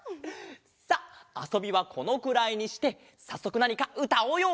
さっあそびはこのくらいにしてさっそくなにかうたおうよ。